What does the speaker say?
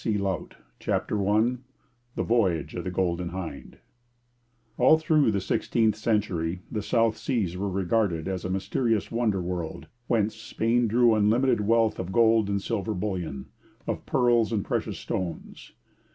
CHAPTER I THE VOYAGE OF THE GOLDEN HIND All through the sixteenth century the South Seas were regarded as a mysterious wonderworld, whence Spain drew unlimited wealth of gold and silver bullion, of pearls and precious stones.